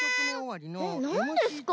えっなんですか？